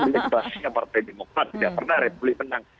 bebasnya partai demokrat tidak pernah republik menang